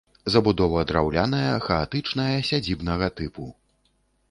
Забудова драўляная, хаатычная, сядзібнага тыпу.